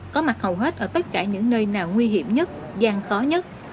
có mặt hầu hết ở tất cả những nơi nào nguy hiểm nhất gian khó nhất